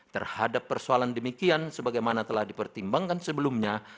terhadap persoalan demikian sebagaimana telah dipertimbangkan sebelumnya